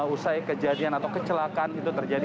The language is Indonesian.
usai kejadian atau kecelakaan itu terjadi